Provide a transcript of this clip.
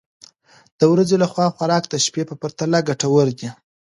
د ورځې لخوا خوراک د شپې په پرتله ګټور دی.